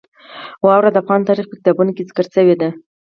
واوره د افغان تاریخ په کتابونو کې ذکر شوې ده.